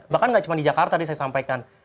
bahkan gak cuma di jakarta tadi saya sampaikan